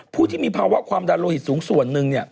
ผู้ที่มีภาวะความดันโลหิตสูงส่วนหนึ่งเนี่ย